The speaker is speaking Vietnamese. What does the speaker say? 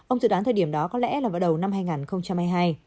ông dự đoán thời điểm đó có lẽ là vào đầu năm hai nghìn hai mươi hai